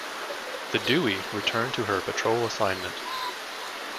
The "Dewey" returned to her patrol assignment.